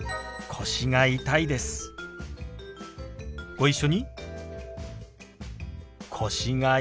ご一緒に。